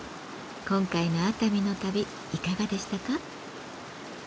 今回の熱海の旅いかがでしたか？